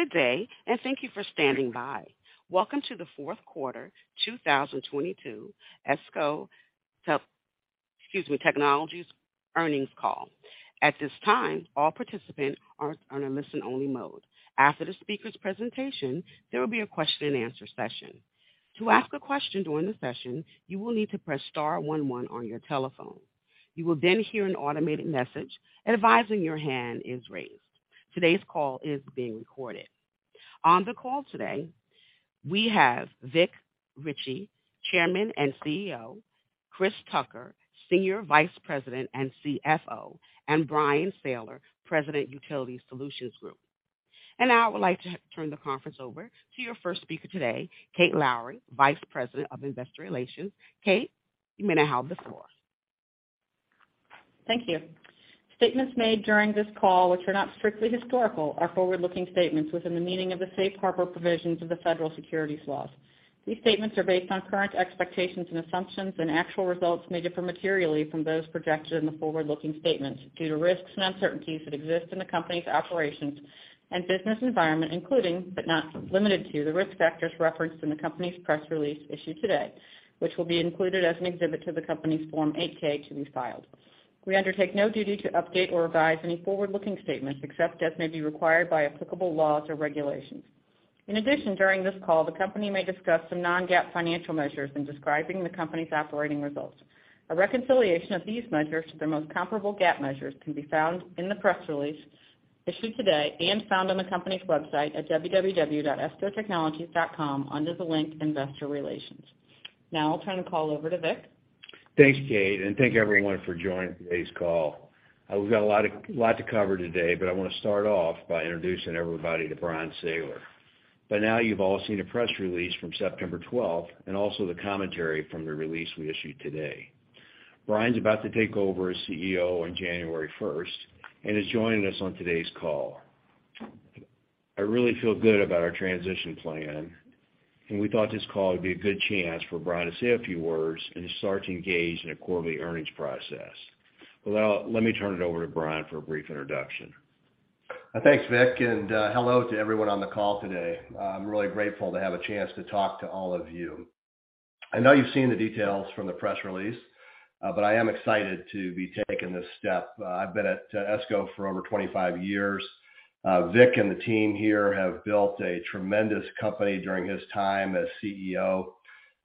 Good day, thank you for standing by. Welcome to The Fourth Quarter 2022 ESCO Technologies Earnings Call. At this time, all participants are on a listen-only mode. After the speaker's presentation, there will be a question-and-answer session. To ask a question during the session, you will need to press star one, one on your telephone. You will then hear an automated message advising your hand is raised. Today's call is being recorded. On the call today, we have Vic Richey, Chairman and CEO, Chris Tucker, Senior Vice President and CFO, and Bryan Sayler, President, Utility Solutions Group. Now I would like to turn the conference over to your first speaker today, Kate Lowrey, Vice President of Investor Relations. Kate, you may now have the floor. Thank you. Statements made during this call which are not strictly historical are forward-looking statements within the meaning of the safe harbor provisions of the federal securities laws. These statements are based on current expectations and assumptions, and actual results may differ materially from those projected in the forward-looking statements due to risks and uncertainties that exist in the company's operations and business environment, including, but not limited to, the risk factors referenced in the company's press release issued today, which will be included as an exhibit to the company's Form 8-K to be filed. We undertake no duty to update or revise any forward-looking statements except as may be required by applicable laws or regulations. In addition, during this call, the company may discuss some non-GAAP financial measures in describing the company's operating results. A reconciliation of these measures to their most comparable GAAP measures can be found in the press release issued today and found on the company's website at www.escotechnologies.com under the link Investor Relations. Now I'll turn the call over to Vic. Thanks, Kate, and thank everyone for joining today's call. We've got a lot to cover today, but I wanna start off by introducing everybody to Bryan Sayler. By now you've all seen a press release from September 12th and also the commentary from the release we issued today. Bryan's about to take over as CEO on January 1st and is joining us on today's call. I really feel good about our transition plan, and we thought this call would be a good chance for Bryan to say a few words and to start to engage in a quarterly earnings process. Well, let me turn it over to Bryan for a brief introduction. Thanks, Vic, and hello to everyone on the call today. I'm really grateful to have a chance to talk to all of you. I know you've seen the details from the press release, but I am excited to be taking this step. I've been at ESCO for over 25 years. Vic and the team here have built a tremendous company during his time as CEO.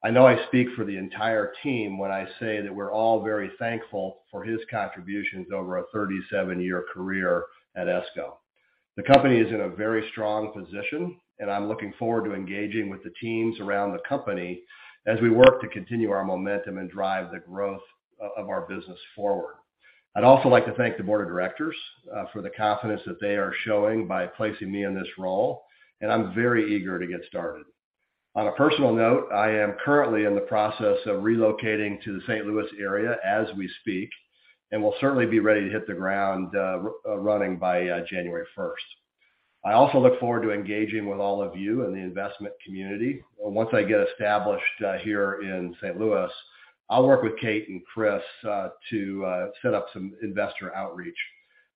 I know I speak for the entire team when I say that we're all very thankful for his contributions over a 37-year career at ESCO. The company is in a very strong position, and I'm looking forward to engaging with the teams around the company as we work to continue our momentum and drive the growth of our business forward. I'd also like to thank the Board of Directors for the confidence that they are showing by placing me in this role, and I'm very eager to get started. On a personal note, I am currently in the process of relocating to the St. Louis area as we speak, and will certainly be ready to hit the ground running by January 1st. I also look forward to engaging with all of you in the investment community. Once I get established here in St. Louis, I'll work with Kate and Chris to set up some investor outreach.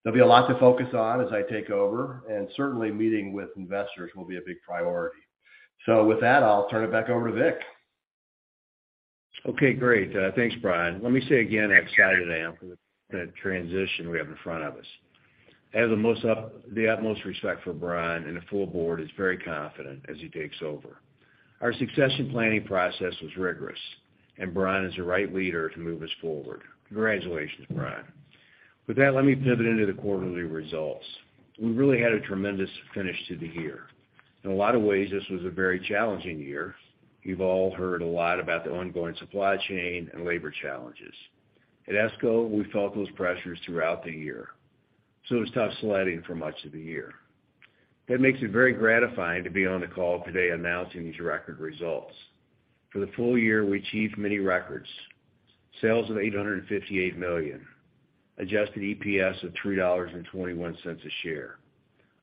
There'll be a lot to focus on as I take over, and certainly meeting with investors will be a big priority. With that, I'll turn it back over to Vic. Okay, great. Thanks, Bryan. Let me say again how excited I am for the transition we have in front of us. I have the utmost respect for Bryan, and the full board is very confident as he takes over. Our succession planning process was rigorous, and Bryan is the right leader to move us forward. Congratulations, Bryan. With that, let me pivot into the quarterly results. We really had a tremendous finish to the year. In a lot of ways, this was a very challenging year. You've all heard a lot about the ongoing supply chain and labor challenges. At ESCO, we felt those pressures throughout the year, so it was tough sledding for much of the year. That makes it very gratifying to be on the call today announcing these record results. For the full year, we achieved many records. Sales of $858 million, adjusted EPS of $3.21 a share,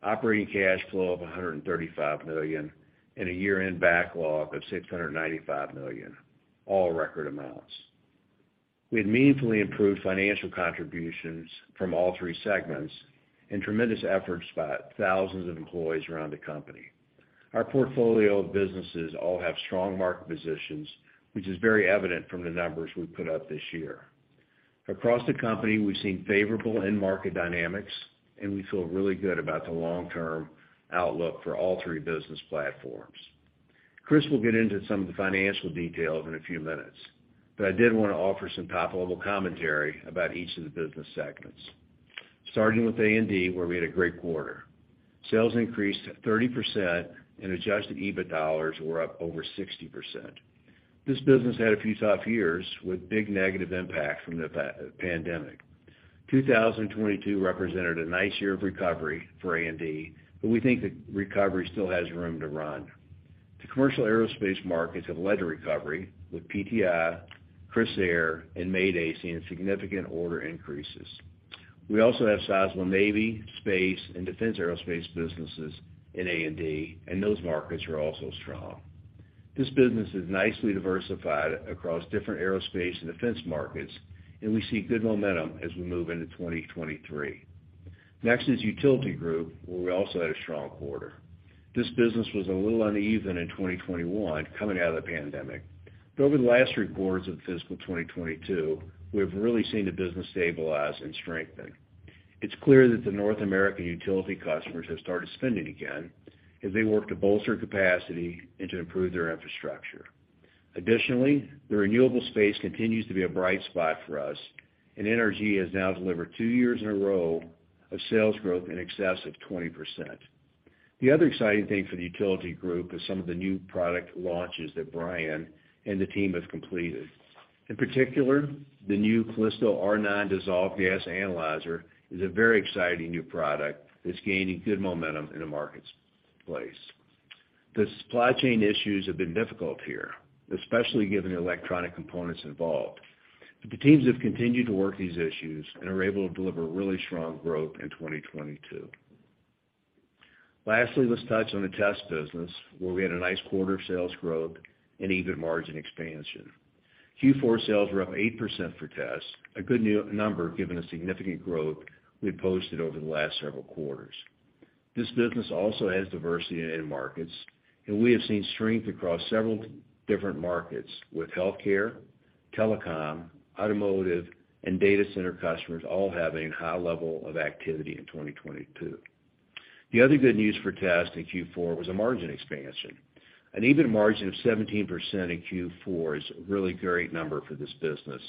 operating cash flow of $135 million, and a year-end backlog of $695 million, all record amounts. We had meaningfully improved financial contributions from all three segments and tremendous efforts by thousands of employees around the company. Our portfolio of businesses all have strong market positions, which is very evident from the numbers we put up this year. Across the company, we've seen favorable end market dynamics, and we feel really good about the long-term outlook for all three business platforms. Chris will get into some of the financial details in a few minutes, but I did wanna offer some top-level commentary about each of the business segments. Starting with A&D, where we had a great quarter. Sales increased 30% and adjusted EBITDA were up over 60%. This business had a few tough years with big negative impact from the pandemic. 2022 represented a nice year of recovery for A&D, but we think the recovery still has room to run. The commercial aerospace markets have led to recovery with PTI, Crissair, and Mayday seeing significant order increases. We also have sizable Navy, space, and defense aerospace businesses in A&D, and those markets are also strong. This business is nicely diversified across different aerospace and defense markets, and we see good momentum as we move into 2023. Next is Utility Group, where we also had a strong quarter. This business was a little uneven in 2021 coming out of the pandemic. Over the last three quarters of fiscal 2022, we have really seen the business stabilize and strengthen. It's clear that the North American utility customers have started spending again as they work to bolster capacity and to improve their infrastructure. Additionally, the renewable space continues to be a bright spot for us, and energy has now delivered two years in a row of sales growth in excess of 20%. The other exciting thing for the Utility Group is some of the new product launches that Bryan and the team have completed. In particular, the new Calisto R9 dissolved gas analyzer is a very exciting new product that's gaining good momentum in the marketplace. The supply chain issues have been difficult here, especially given the electronic components involved, but the teams have continued to work these issues and are able to deliver really strong growth in 2022. Lastly, let's touch on the Test business, where we had a nice quarter of sales growth and EBIT margin expansion. Q4 sales were up 8% for Test, a good number given the significant growth we posted over the last several quarters. This business also has diversity in end markets, and we have seen strength across several different markets with healthcare, telecom, automotive, and data center customers all having high level of activity in 2022. The other good news for Test in Q4 was a margin expansion. An EBIT margin of 17% in Q4 is a really great number for this business,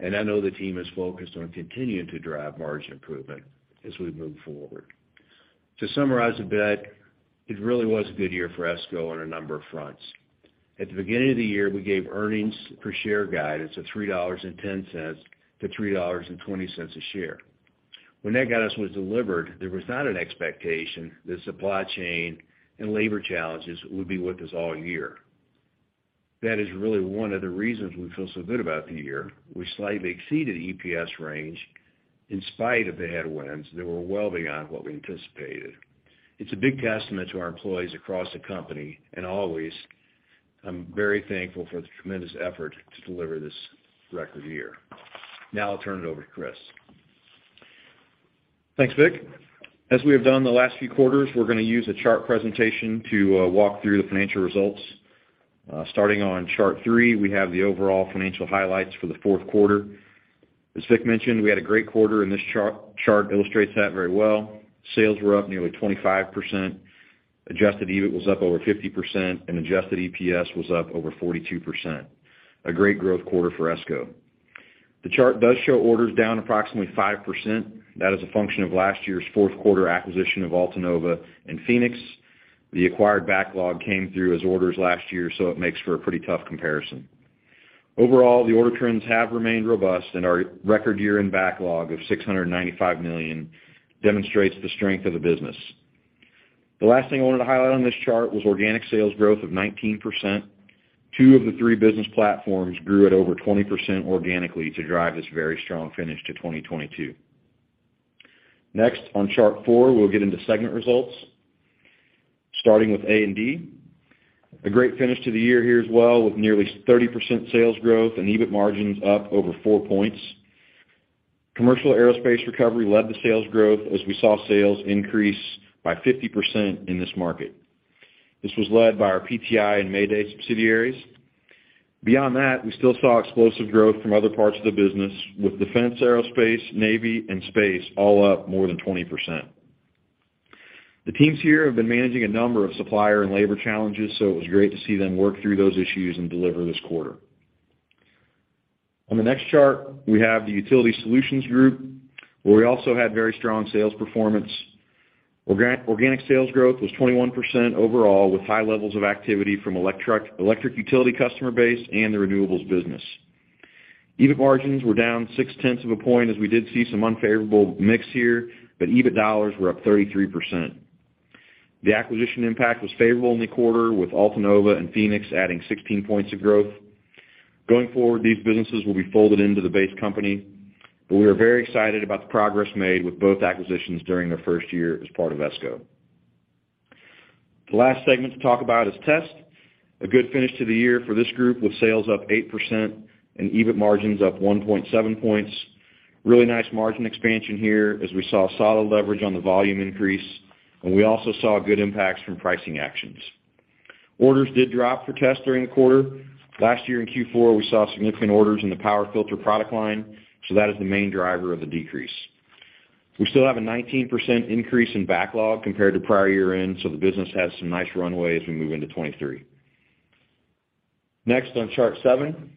and I know the team is focused on continuing to drive margin improvement as we move forward. To summarize a bit, it really was a good year for ESCO on a number of fronts. At the beginning of the year, we gave earnings per share guidance of $3.10-$3.20 a share. When that guidance was delivered, there was not an expectation that supply chain and labor challenges would be with us all year. That is really one of the reasons we feel so good about the year. We slightly exceeded EPS range in spite of the headwinds that were well beyond what we anticipated. It's a big testament to our employees across the company. Always, I'm very thankful for the tremendous effort to deliver this record year. Now I'll turn it over to Chris. As we have done the last few quarters, we're gonna use a chart presentation to walk through the financial results. Starting on Chart three, we have the overall financial highlights for the fourth quarter. As Vic mentioned, we had a great quarter, and this chart illustrates that very well. Sales were up nearly 25%. Adjusted EBIT was up over 50%, and adjusted EPS was up over 42%. A great growth quarter for ESCO. The chart does show orders down approximately 5%. That is a function of last year's fourth quarter acquisition of Altanova and Phenix. The acquired backlog came through as orders last year, so it makes for a pretty tough comparison. Overall, the order trends have remained robust, and our record year-end backlog of $695 million demonstrates the strength of the business. The last thing I wanted to highlight on this chart was organic sales growth of 19%. Two of the three business platforms grew at over 20% organically to drive this very strong finish to 2022. Next, on chart four, we'll get into segment results, starting with A&D. A great finish to the year here as well, with nearly 30% sales growth and EBIT margins up over four points. Commercial aerospace recovery led to sales growth as we saw sales increase by 50% in this market. This was led by our PTI and Mayday subsidiaries. Beyond that, we still saw explosive growth from other parts of the business, with defense aerospace, navy, and space all up more than 20%. The teams here have been managing a number of supplier and labor challenges, so it was great to see them work through those issues and deliver this quarter. On the next chart, we have the Utility Solutions Group, where we also had very strong sales performance. Organic sales growth was 21% overall, with high levels of activity from the electric utility customer base and the renewables business. EBIT margins were down 6/10 of a point, as we did see some unfavorable mix here, but EBIT dollars were up 33%. The acquisition impact was favorable in the quarter, with Altanova and Phenix adding 16 points of growth. Going forward, these businesses will be folded into the base company, but we are very excited about the progress made with both acquisitions during their first year as part of ESCO. The last segment to talk about is Test. A good finish to the year for this group with sales up 8% and EBIT margins up 1.7 points. Really nice margin expansion here as we saw solid leverage on the volume increase, and we also saw good impacts from pricing actions. Orders did drop for test during the quarter. Last year in Q4, we saw significant orders in the power filter product line, so that is the main driver of the decrease. We still have a 19% increase in backlog compared to prior year-end, so the business has some nice runway as we move into 2023. Next, on chart seven,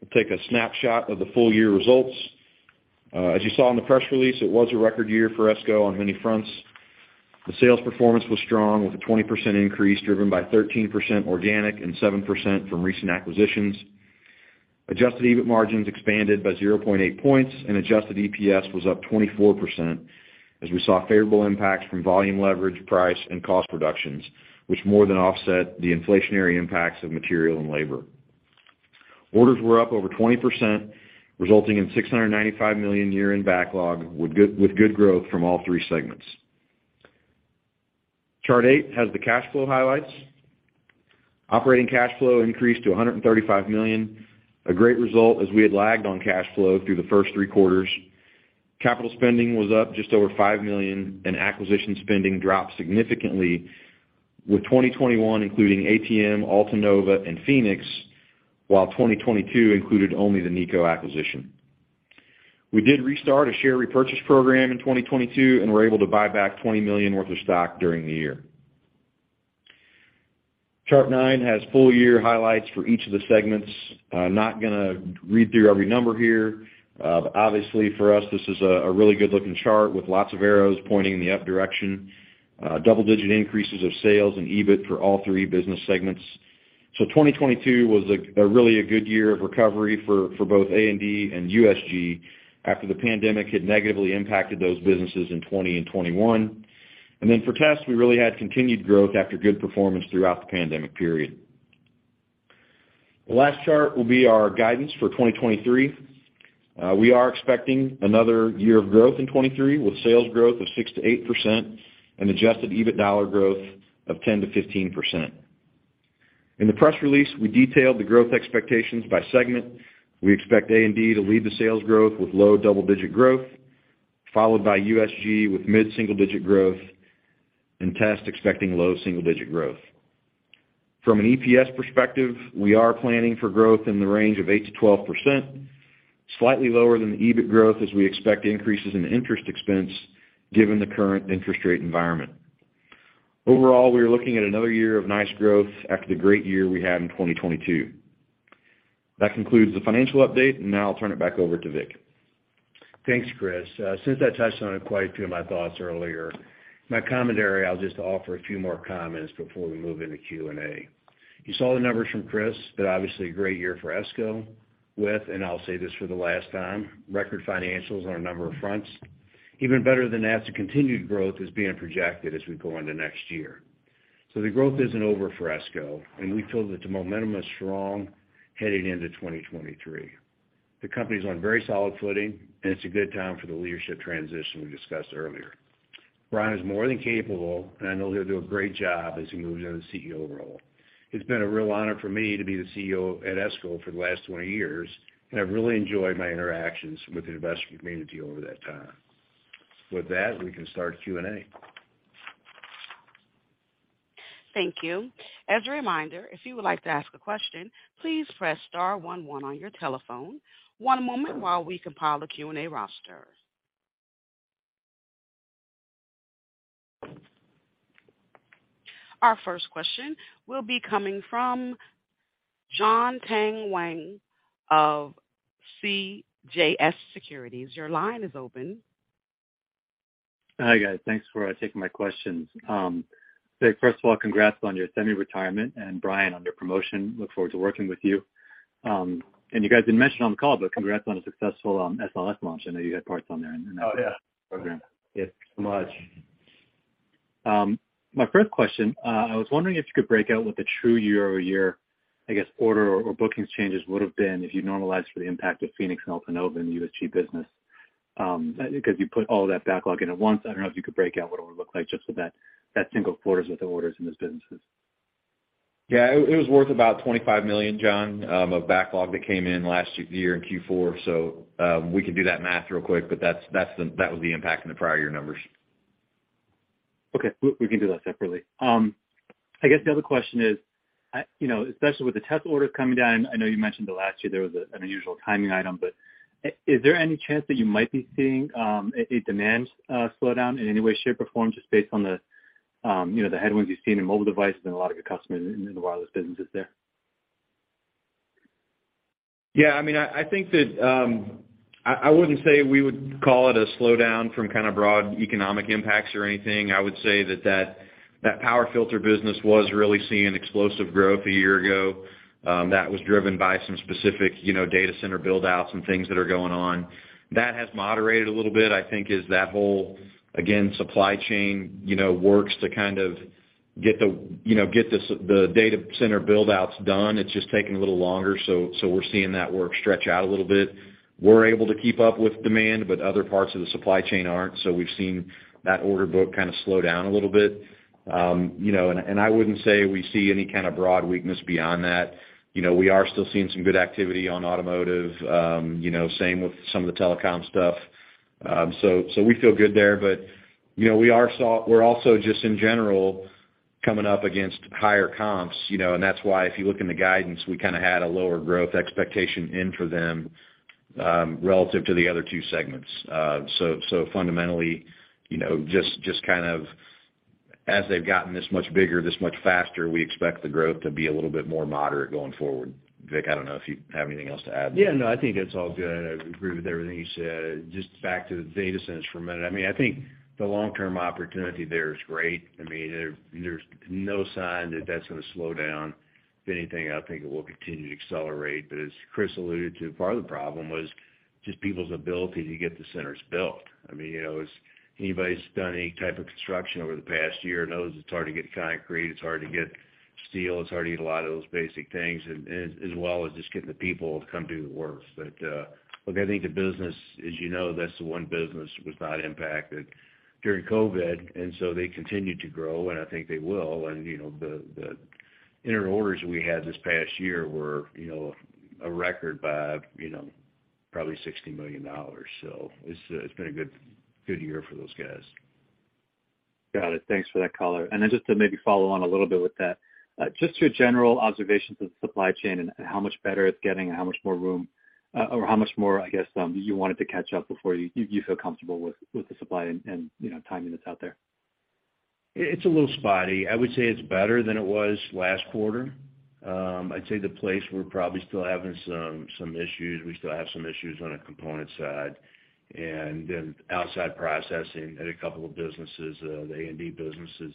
we'll take a snapshot of the full year results. As you saw in the press release, it was a record year for ESCO on many fronts. The sales performance was strong with a 20% increase driven by 13% organic and 7% from recent acquisitions. Adjusted EBIT margins expanded by 0.8 points and adjusted EPS was up 24% as we saw favorable impacts from volume leverage, price, and cost reductions, which more than offset the inflationary impacts of material and labor. Orders were up over 20%, resulting in $695 million year-end backlog with good growth from all three segments. Chart eight has the cash flow highlights. Operating cash flow increased to $135 million, a great result as we had lagged on cash flow through the first three quarters. Capital spending was up just over $5 million, and acquisition spending dropped significantly, with 2021 including ATM, Altanova, and Phenix, while 2022 included only the NECO acquisition. We did restart a share repurchase program in 2022 and were able to buy back $20 million worth of stock during the year. Chart nine has full-year highlights for each of the segments. Not gonna read through every number here. Obviously for us, this is a really good-looking chart with lots of arrows pointing in the up direction. Double-digit increases of sales and EBIT for all three business segments. 2022 was a really a good year of recovery for both A&D and USG after the pandemic had negatively impacted those businesses in 2020 and 2021. For Test, we really had continued growth after good performance throughout the pandemic period. The last chart will be our guidance for 2023. We are expecting another year of growth in 2023, with sales growth of 6%-8% and adjusted EBIT dollar growth of 10%-15%. In the press release, we detailed the growth expectations by segment. We expect A&D to lead the sales growth with low double-digit growth, followed by USG with mid-single digit growth and Test expecting low single digit growth. From an EPS perspective, we are planning for growth in the range of 8%-12%, slightly lower than the EBIT growth as we expect increases in interest expense given the current interest rate environment. Overall, we are looking at another year of nice growth after the great year we had in 2022. That concludes the financial update, and now I'll turn it back over to Vic. Thanks, Chris. Since I touched on it quite a few of my thoughts earlier, my commentary, I'll just offer a few more comments before we move into Q&A. You saw the numbers from Chris. Obviously a great year for ESCO with, and I'll say this for the last time, record financials on a number of fronts. Even better than that, the continued growth is being projected as we go into next year. The growth isn't over for ESCO, and we feel that the momentum is strong heading into 2023. The company's on very solid footing, and it's a good time for the leadership transition we discussed earlier. Bryan is more than capable, and I know he'll do a great job as he moves into the CEO role. It's been a real honor for me to be the CEO at ESCO for the last 20 years, and I've really enjoyed my interactions with the investment community over that time. With that, we can start Q&A. Thank you. As a reminder, if you would like to ask a question, please press star one one on your telephone. One moment while we compile a Q&A roster. Our first question will be coming from Jon Tanwanteng of CJS Securities. Your line is open. Hi, guys. Thanks for taking my questions. Vic, first of all, congrats on your semi-retirement and Bryan on your promotion. Look forward to working with you. You guys didn't mention on the call, but congrats on a successful SLS launch. I know you had parts on there in that program. Oh, yeah. Thanks so much. My first question, I was wondering if you could break out what the true year-over-year, I guess, order or bookings changes would have been if you normalized for the impact of Phenix and Altanova in USG business, because you put all that backlog in at once. I don't know if you could break out what it would look like just with that single quarters with the orders in those businesses. Yeah. It was worth about $25 million, John, of backlog that came in last year in Q4. We can do that math real quick, but that was the impact in the prior year numbers. Okay. We, we can do that separately. I guess the other question is especially with the Test orders coming down, I know you mentioned that last year there was a, an unusual timing item, but is there any chance that you might be seeing a demand slowdown in any way, shape, or form just based on the headwinds you've seen in mobile device and a lot of your customers in the wireless businesses there? Yeah, I wouldn't say we would call it a slowdown from kind of broad economic impacts or anything. I would say that that power filter business was really seeing explosive growth a year ago that was driven by some specific data center build outs and things that are going on. That has moderated a little bit. I think as that whole, again, supply chain works to kind of get the data center build outs done, it's just taking a little longer. We're seeing that work stretch out a little bit. We're able to keep up with demand, but other parts of the supply chain aren't. We've seen that order book kind of slow down a little bit. I wouldn't say we see any kind of broad weakness beyond that. We are still seeing some good activity on automotive same with some of the telecom stuff. We feel good there. We're also just in general coming up against higher comps and that's why if you look in the guidance, we kind of had a lower growth expectation in for them relative to the other two segments. Fundamentally, you know, just kind of as they've gotten this much bigger, this much faster, we expect the growth to be a little bit more moderate going forward. Vic, I don't know if you have anything else to add there. Yeah. No, I think that's all good. I agree with everything you said. Just back to the data centers for a minute. I mean, I think the long-term opportunity there is great. I mean, there's no sign that that's gonna slow down. If anything, I think it will continue to accelerate. As Chris alluded to, part of the problem was just people's ability to get the centers built. As anybody who's done any type of construction over the past year knows it's hard to get concrete, it's hard to get steel, it's hard to get a lot of those basic things as well as just getting the people to come do the work. But look, I think the business, as you know, that's the one business that was not impacted during COVID, and so they continued to grow, and I think they will. And, you know, the inner orders we had this past year were, you know, a record by, you know, probably sixty million dollars. So it's been a good year for those guys. Got it. Thanks for that color. Just to maybe follow on a little bit with that, just your general observations of the supply chain and how much better it's getting and how much more room or how much more, I guess, you want it to catch up before you feel comfortable with the supply and, you know, timing that's out there? It's a little spotty. I would say it's better than it was last quarter. I'd say we still have some issues on a component side. Outside processing at a couple of businesses, the A&D businesses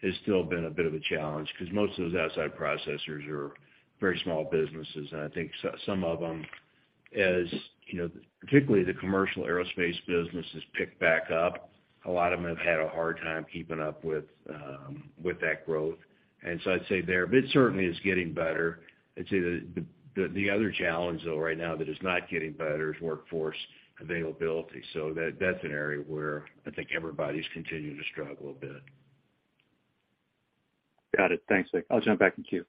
has still been a bit of a challenge because most of those outside processors are very small businesses. I think some of them, as, you know, particularly the commercial aerospace business has picked back up, a lot of them have had a hard time keeping up with that growth. I'd say there, but it certainly is getting better. I'd say the other challenge though right now that is not getting better is workforce availability. That's an area where I think everybody's continuing to struggle a bit. Got it. Thanks, Vic. I'll jump back in queue.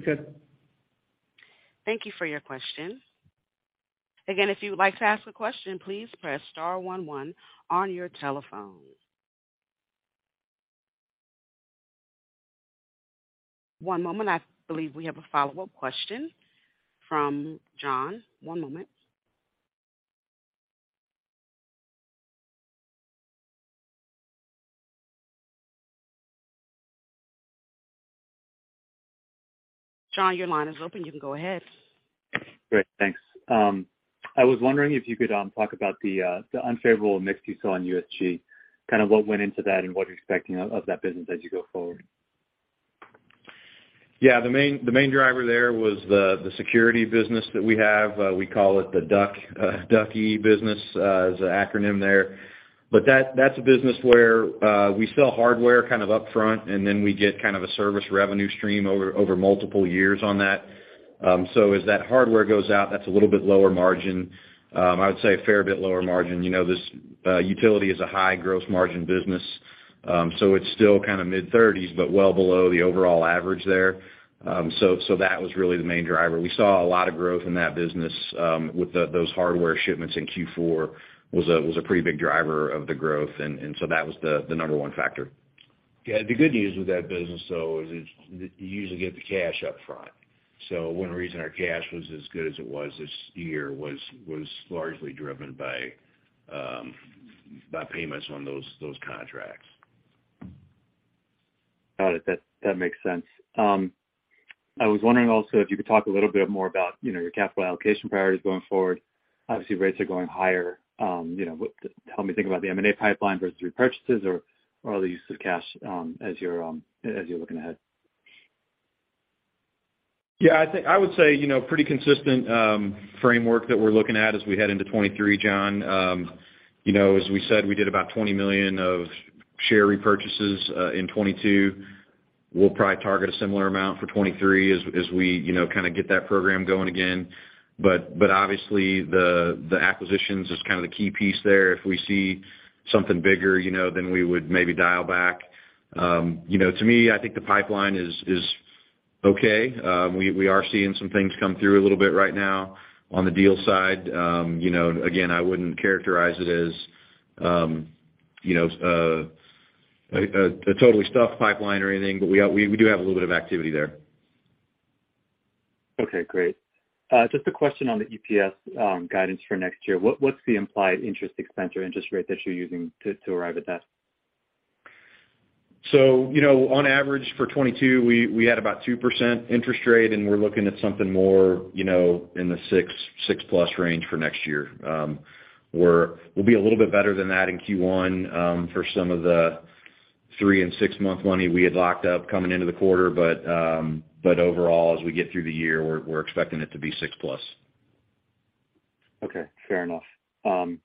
Okay. Thank you for your question. Again, if you would like to ask a question, please press star 1 1 on your telephone. One moment. I believe we have a follow-up question from Jon. One moment. Jon, your line is open. You can go ahead. Great, thanks. I was wondering if you could talk about the unfavorable mix you saw in USG, kind of what went into that and what you're expecting of that business as you go forward. Yeah. The main driver there was the security business that we have. We call it the Doble DGA business as an acronym there. That's a business where we sell hardware kind of upfront, and then we get kind of a service revenue stream over multiple years on that. As that hardware goes out, that's a little bit lower margin. I would say a fair bit lower margin. You know, this utility is a high gross margin business, so it's still kind of mid-30s%, but well below the overall average there. That was really the main driver. We saw a lot of growth in that business with those hardware shipments in Q4 was a pretty big driver of the growth. That was the number one factor. Yeah. The good news with that business, though, is you usually get the cash up front. One reason our cash was as good as it was this year was largely driven by payments on those contracts. Got it. That makes sense. I was wondering also if you could talk a little bit more about, you know, your capital allocation priorities going forward. Obviously, rates are going higher. You know, help me think about the M&A pipeline versus repurchases or the use of cash as you're looking ahead. Yeah, I think I would say, you know, pretty consistent framework that we're looking at as we head into 2023, John. You know, as we said, we did about $20 million of share repurchases in 2022. We'll probably target a similar amount for 2023 as we, you know, kind of get that program going again. Obviously the acquisitions is kind of the key piece there. If we see something bigger, you know, then we would maybe dial back. You know, to me, I think the pipeline is okay. We are seeing some things come through a little bit right now on the deal side. You know, again, I wouldn't characterize it as, you know, a totally stuffed pipeline or anything, but we do have a little bit of activity there. Okay, great. Just a question on the EPS guidance for next year. What's the implied interest expense or interest rate that you're using to arrive at that? You know, on average for 2022, we had about 2% interest rate, and we're looking at something more, you know, in the 6%+ range for next year. We'll be a little bit better than that in Q1 for some of the three and six month money we had locked up coming into the quarter. Overall, as we get through the year, we're expecting it to be 6%+. Okay, fair enough. I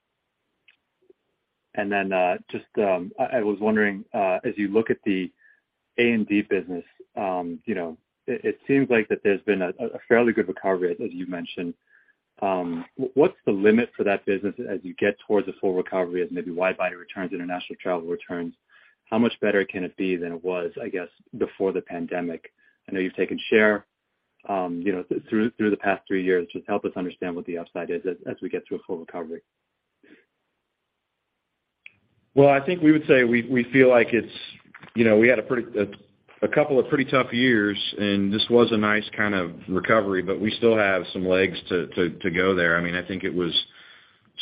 was wondering as you look at the A&D business, you know, it seems like that there's been a fairly good recovery as you mentioned. What's the limit for that business as you get towards a full recovery as maybe wide-body returns, international travel returns? How much better can it be than it was, I guess, before the pandemic? I know you've taken share, you know, through the past three years. Just help us understand what the upside is as we get to a full recovery. Well, I think we would say we feel like, you know, we had a couple of pretty tough years, and this was a nice kind of recovery, but we still have some legs to go there. I mean, I think it was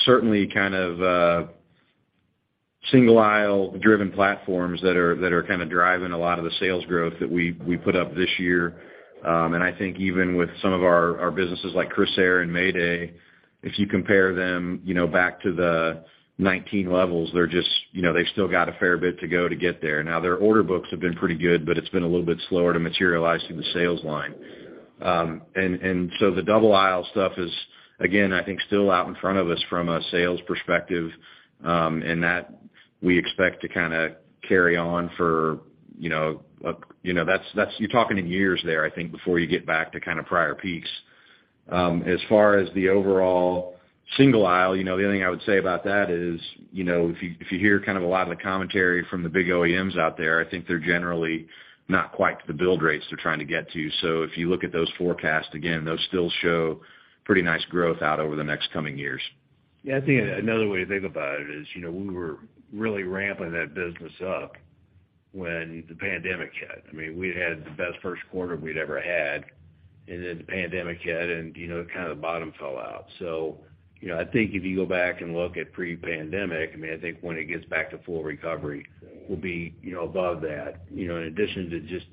certainly kind of single-aisle driven platforms that are kind of driving a lot of the sales growth that we put up this year. I think even with some of our businesses like Crissair and Mayday, if you compare them, you know, back to the 2019 levels, they're just, you know, they still got a fair bit to go to get there. Now, their order books have been pretty good, but it's been a little bit slower to materialize through the sales line. The double aisle stuff is, again, I think still out in front of us from a sales perspective, and that we expect to kind of carry on for, you know, you're talking in years there, I think, before you get back to kind of prior peaks. As far as the overall single aisle, you know, the only thing I would say about that is, you know, if you hear kind of a lot of the commentary from the big OEMs out there, I think they're generally not quite the build rates they're trying to get to. If you look at those forecasts again, those still show pretty nice growth out over the next coming years. Yeah. I think another way to think about it is, you know, when we were really ramping that business up. When the pandemic hit, I mean, we had the best first quarter we'd ever had, and then the pandemic hit and, you know, kind of the bottom fell out. You know, I think if you go back and look at pre-pandemic, I mean, I think when it gets back to full recovery, we'll be, you know, above that. You know, in addition to just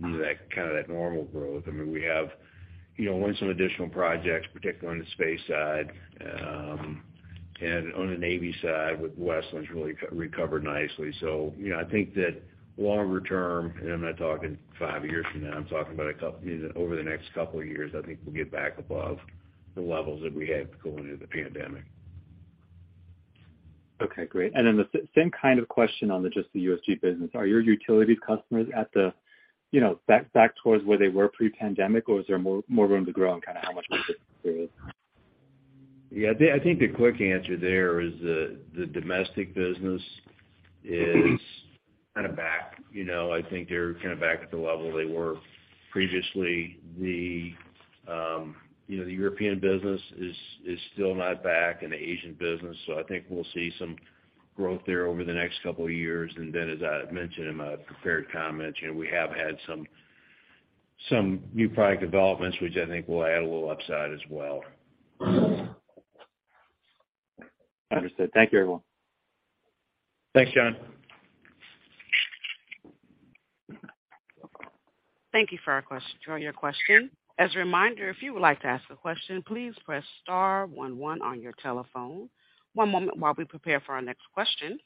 that kind of that normal growth, I mean, we have, you know, won some additional projects, particularly on the space side. On the Navy side, with Westland really recovered nicely. You know, I think that longer term, and I'm not talking five years from now, I'm talking about over the next couple of years, I think we'll get back above the levels that we had going into the pandemic. Okay, great. The same kind of question on just the USG business. Are your utility customers, you know, back towards where they were pre-pandemic, or is there more room to grow and kind of how much room there is? Yeah, I think the quick answer there is the domestic business is kind of back. You know, I think they're kind of back at the level they were previously. The, you know, European business is still not back, and the Asian business. I think we'll see some growth there over the next couple of years. As I mentioned in my prepared comments, you know, we have had some new product developments, which I think will add a little upside as well. Understood. Thank you, everyone. Thanks, Jon. Thank you for your question. As a reminder, if you would like to ask a question, please press star one one on your telephone. One moment while we prepare for our next question.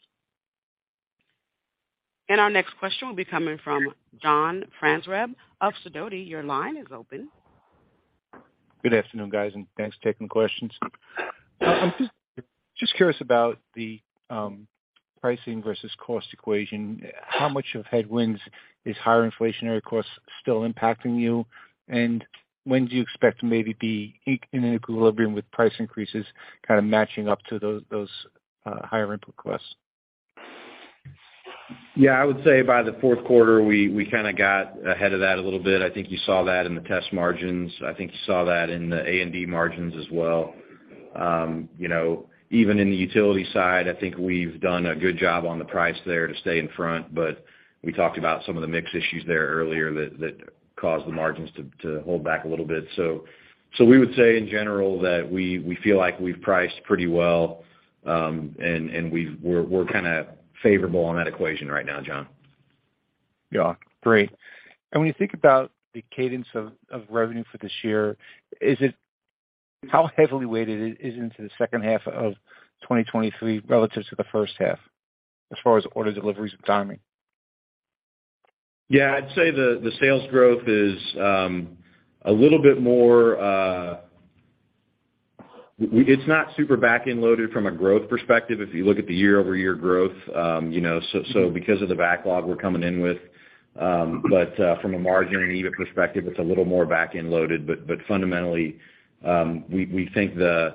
Our next question will be coming from John Franzreb of Sidoti. Your line is open. Good afternoon, guys, and thanks for taking the questions. Just curious about the pricing versus cost equation. How much of headwinds is higher inflationary costs still impacting you? When do you expect to maybe be in an equilibrium with price increases kind of matching up to those higher input costs? Yeah, I would say by the fourth quarter, we kinda got ahead of that a little bit. I think you saw that in the Test margins. I think you saw that in the A&D margins as well. You know, even in the Utility side, I think we've done a good job on the price there to stay in front, but we talked about some of the mix issues there earlier that caused the margins to hold back a little bit. We would say in general that we feel like we've priced pretty well, and we're kinda favorable on that equation right now, John. Yeah. Great. When you think about the cadence of revenue for this year, how heavily weighted is it into the second half of 2023 relative to the first half as far as order deliveries are concerned? Yeah, I'd say the sales growth is a little bit more, it's not super back-end loaded from a growth perspective if you look at the year-over-year growth, so because of the backlog we're coming in with. From a margin and EBIT perspective, it's a little more back-end loaded. But, but fundamentally, we think the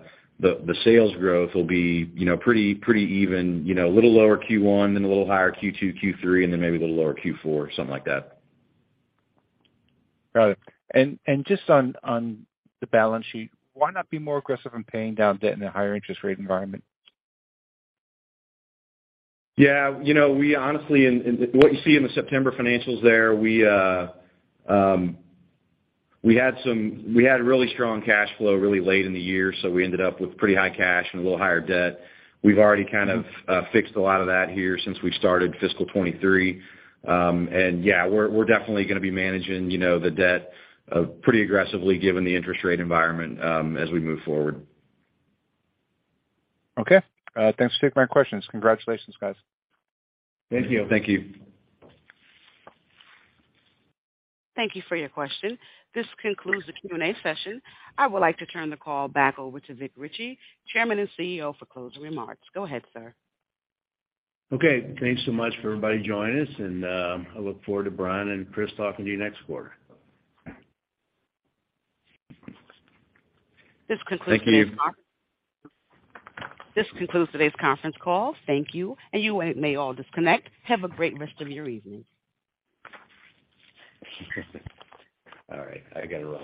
sales growth will be, you know, pretty even. You know, a little lower Q1, then a little higher Q2, Q3, and then maybe a little lower Q4, something like that. Got it. Just on the balance sheet, why not be more aggressive in paying down debt in a higher interest rate environment? You know, what you see in the September financials there, we had really strong cash flow really late in the year, so we ended up with pretty high cash and a little higher debt. We've already kind of fixed a lot of that here since we started fiscal 2023. We're definitely gonna be managing, you know, the debt pretty aggressively given the interest rate environment as we move forward. Okay. Thanks for taking my questions. Congratulations, guys. Thank you. Thank you for your question. This concludes the Q&A session. I would like to turn the call back over to Vic Richey, Chairman and CEO, for closing remarks. Go ahead, sir. Okay. Thanks so much for everybody joining us. I look forward to Bryan and Chris talking to you next quarter. This concludes. Thank you. This concludes today's conference call. Thank you. You may all disconnect. Have a great rest of your evening. All right, I gotta run.